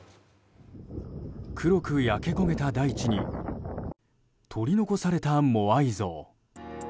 黒く焼け焦げた大地に取り残されたモアイ像。